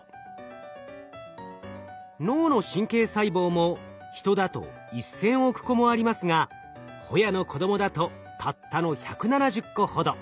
脳の神経細胞もヒトだと１，０００億個もありますがホヤの子供だとたったの１７０個ほど。